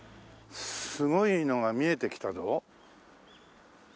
すごいのが見えてきたぞ。